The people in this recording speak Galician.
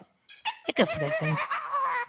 E que ofrecen?